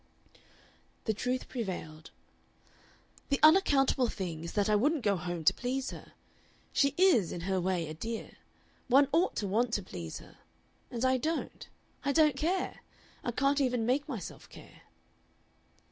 The truth prevailed. "The unaccountable thing is that I wouldn't go home to please her. She is, in her way, a dear. One OUGHT to want to please her. And I don't. I don't care. I can't even make myself care."